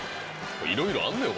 いろいろあんのよ